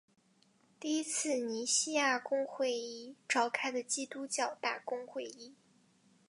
第一次尼西亚公会议召开的基督教大公会议。